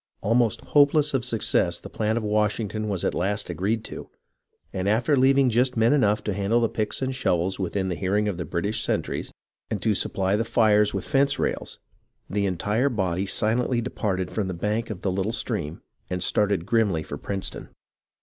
Almost hopeless of success the plan of Washington was at last agreed to, and after leaving just men enough to handle the picks and shovels within the hearing of the British sentries and to supply the fires with fence rails, the entire body silently departed from the bank of the lit tle stream and started grimly for Princeton.